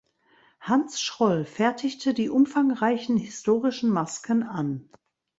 Hans Schroll fertigte die umfangreichen historischen Masken an.